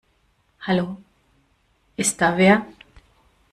Hallo, ist da wer?